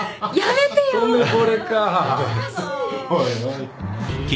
おいおい。